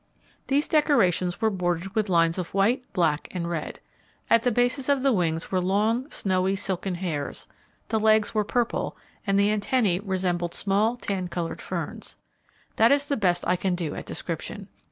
These decorations were bordered with lines of white, black, and red. At the bases of the wings were long, snowy silken hairs; the legs were purple, and the antennae resembled small, tan coloured ferns. That is the best I can do at description.